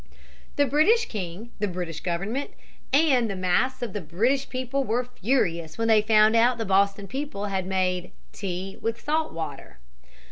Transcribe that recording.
The British king, the British government, and the mass of the British people were furious when they found that the Boston people had made "tea with salt water."